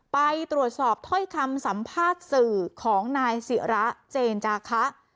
ไปตรวจสอบถ้อยคำสัมภาษณ์สื่อของนายศิระเจนจาคะ